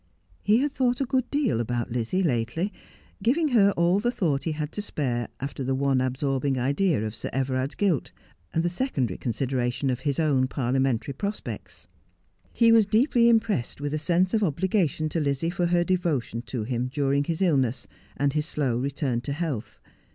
He had thought a good deal about Lizzie lately, giving her all the thought he had to spare after the one absorbing idea of Sir Everard's guilt, and the secondary consideration of his own parliamentary prc^pects. He was deeply impressed with a sense of obligation to Lizzie for her devotion to him during his illness, and his slow return to health.